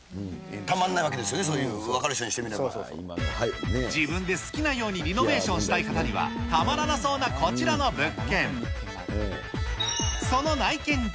たまらないわけですよね、自分で好きなようにリノベーションしたい方にはたまらなそうなこちらの物件。